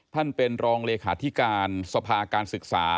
ท่านเป็นรองเลขาธิการสภาการศึกษา